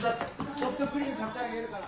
ソフトクリーム買ってあげるから。